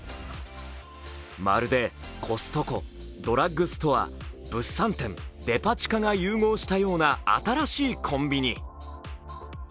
まるでコストコ、ドラッグストア物産展、デパ地下が融合したような新しいコンビニ。